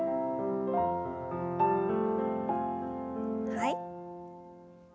はい。